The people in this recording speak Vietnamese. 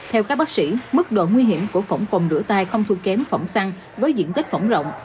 theo các bác sĩ mức độ nguy hiểm của phỏng cồn rửa tay không thu kém phỏng xăng với diện tích phỏng rộng